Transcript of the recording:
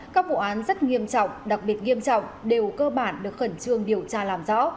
các vụ án rất nghiêm trọng đặc biệt nghiêm trọng đều cơ bản được khẩn trương điều tra làm rõ